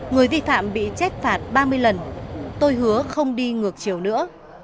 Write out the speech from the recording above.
người vi phạm bị chết phạt ba mươi lần tôi hứa không đi ngược chiều nữa